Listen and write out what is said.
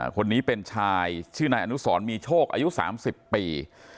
คนนี้เป็นชายชื่อนายอนุสรมีโชคอายุ๓๐ปี